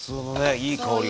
いい香りが。